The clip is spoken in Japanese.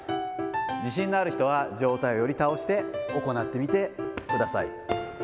自信のある人は状態をより倒して行ってみてください。